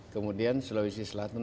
kemudian sulawesi selatan